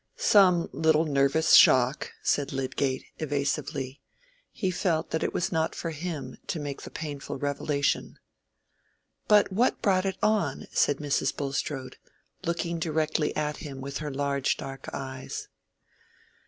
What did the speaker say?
"Some little nervous shock," said Lydgate, evasively. He felt that it was not for him to make the painful revelation. "But what brought it on?" said Mrs. Bulstrode, looking directly at him with her large dark eyes.